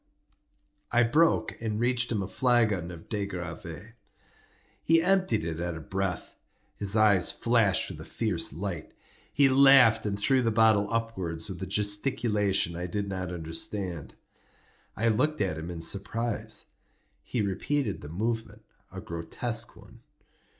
I broke and reached him a flagon of De Gr√¢ve. He emptied it at a breath. His eyes flashed with a fierce light. He laughed and threw the bottle upwards with a gesticulation I did not understand. I looked at him in surprise. He repeated the movement—a grotesque one.